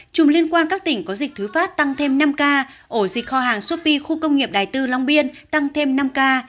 trùm liên quan các tỉnh có dịch thứ phát tăng thêm năm ca ổ dịch kho hàng sopi khu công nghiệp đài tư long biên tăng thêm năm ca